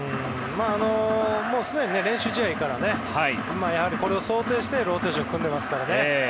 もうすでに練習試合からこれを想定してローテーションを組んでいるので。